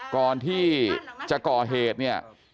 ก่อนที่จะก่อเหตุเนี่ย